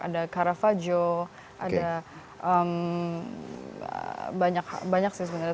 ada karavajo ada banyak sih sebenarnya